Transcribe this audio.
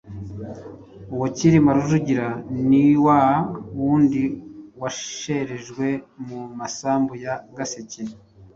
Uwo Cyilima Rujugira ni wa wundi wosherejwe mu Masambu ya Gaseke